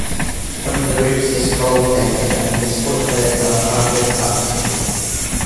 One of the roofs is gold plated and the support pillars are crafted artistically.